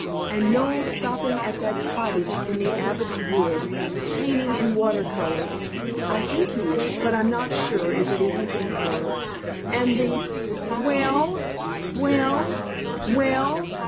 And Noel stopping at that cottage in the Abbot's Wood painting in water colors. I think he is, but I'm not sure if it isn't in oils, and the " "Well? Well? Well?"